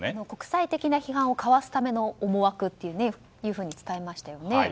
国際的な批判をかわすための思惑と伝えましたね。